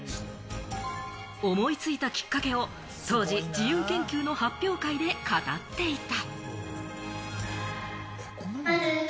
思いついたきっかけを当時、自由研究の発表会で語っていた。